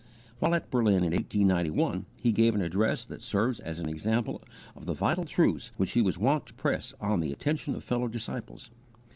While at Berlin in 1891, he gave an address that serves as an example of the vital truths which he was wont to press on the attention of fellow disciples.